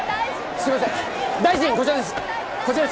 すいません大臣こちらですこちらです。